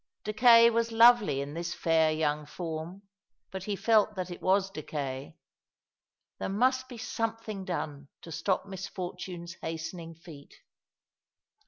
Decay was lovely in this fair young form; but he felt that it was decay. There must be something done to stop Misfortune's hasten ing feet.